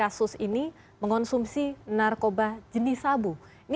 yang dikasus ini mengonsumsi narkoba jenis sabu